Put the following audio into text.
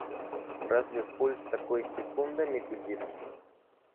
Разве пульс такой секундами гудит?!